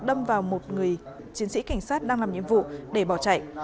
đâm vào một người chiến sĩ cảnh sát đang làm nhiệm vụ để bỏ chạy